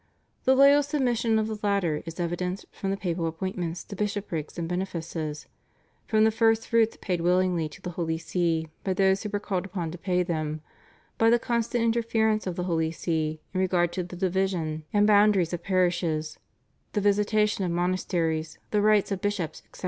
The loyal submission of the latter is evidenced from the papal appointments to bishoprics and benefices, from the First Fruits paid willingly to the Holy See by those who were called upon to pay them, by the constant interference of the Holy See in regard to the division and boundaries of parishes, the visitation of monasteries, the rights of bishops, etc.